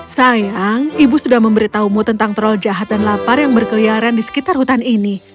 sayang ibu sudah memberitahumu tentang troll jahat dan lapar yang berkeliaran di sekitar hutan ini